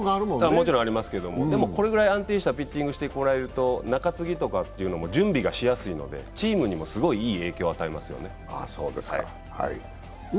もちろんありますけどこれくらい安定したピッチングしてもらえると中継ぎとかというのも準備がしやすいので、チームにも、すごいいい影響を与えますよね。